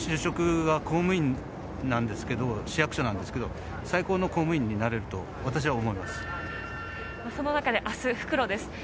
就職は公務員なんですけれど、最高の公務員になれると私は思います。